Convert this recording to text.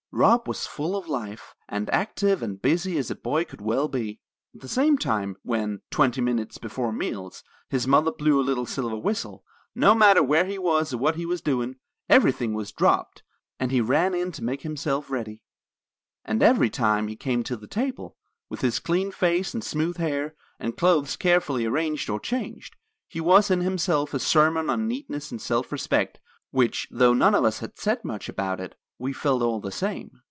Rob was full of life, and active and busy as a boy could well be. At the same time, when, twenty minutes before meals, his mother blew a little silver whistle, no matter where he was or what he was doing, everything was dropped, and he ran in to make himself ready. And every time he came to the table, with his clean face and smooth hair and clothes carefully arranged or changed, he was in himself a sermon on neatness and self respect, which, though none of us said much about it, we felt all the same.